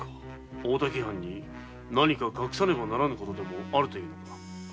大滝藩に何か隠さねばならぬことでもあるのか？